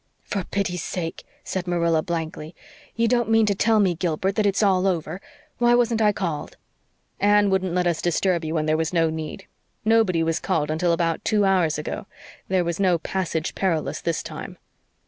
"For pity's sake!" said Marilla blankly. "You don't mean to tell me, Gilbert, that it's all over. Why wasn't I called?" "Anne wouldn't let us disturb you when there was no need. Nobody was called until about two hours ago. There was no 'passage perilous' this time."